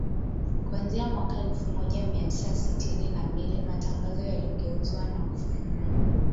Kuanzia mwaka elfu moja mia tisa sitini na mbili matangazo yaligeuzwa na kufanywa